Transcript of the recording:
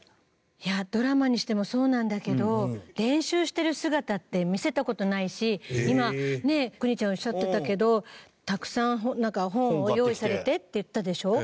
いやドラマにしてもそうなんだけど練習してる姿って見せた事ないし今ねえ邦ちゃんがおっしゃってたけどたくさん本を用意されてって言ったでしょ。